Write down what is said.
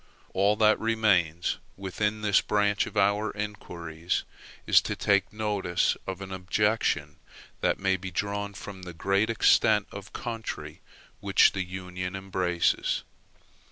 All that remains, within this branch of our inquiries, is to take notice of an objection that may be drawn from the great extent of country which the Union embraces.